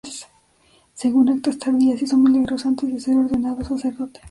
Según actas tardías, hizo milagros antes de ser ordenado sacerdote.